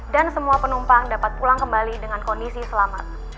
dan semua penumpang dapat pulang kembali dengan kondisi selamat